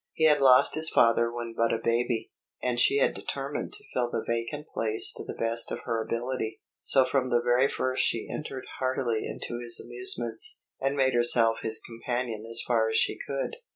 He had lost his father when but a baby, and she had determined to fill the vacant place to the best of her ability. So from the very first she entered heartily into his amusements, and made herself his companion as far as she could.